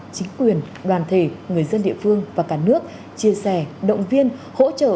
chính quyền đoàn thể người dân địa phương và cả nước chia sẻ động viên hỗ trợ